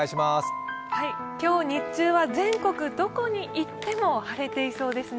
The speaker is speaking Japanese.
今日、日中は全国どこに行っても晴れていそうですね。